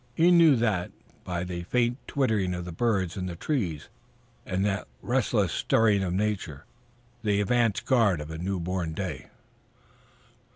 He knew that by the faint twittering of the birds in the trees and that restless stirring of nature the advance guard of a new born day.